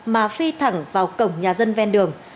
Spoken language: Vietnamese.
mà phi thẳng vào cổng nhà dân ven đường